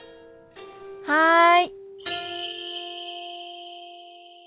はい。